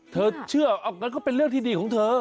เธอเชื่องั้นก็เป็นเรื่องที่ดีของเธอ